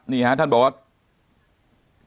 นี่ครับท่านบอกว่า